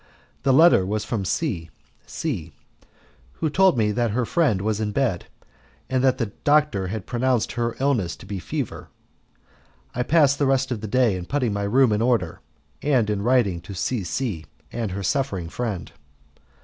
The letter was from C C , who told me that her friend was in bed, and that the doctor had pronounced her illness to be fever. I passed the rest of the day in putting my room in order, and in writing to C C and her suffering friend.